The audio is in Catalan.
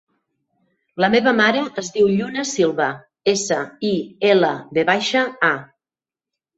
La meva mare es diu Lluna Silva: essa, i, ela, ve baixa, a.